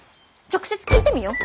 直接聞いてみよう。